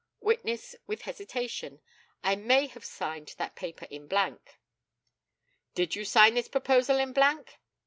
Witness (with hesitation): I may have signed that paper in blank. Did you sign this proposal in blank?